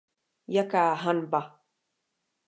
Jaká hanba!